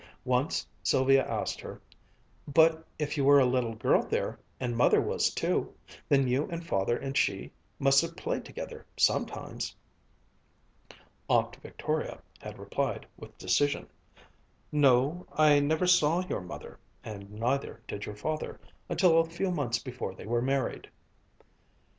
Once Sylvia asked her, "But if you were a little girl there, and Mother was too, then you and Father and she must have played together sometimes?" Aunt Victoria had replied with decision, "No, I never saw your mother, and neither did your father until a few months before they were married."